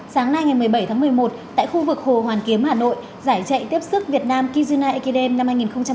sáng nay ngày một mươi bảy tháng một mươi một tại khu vực hồ hoàn kiếm hà nội giải chạy tiếp sức việt nam kizuna ekdem năm hai nghìn một mươi chín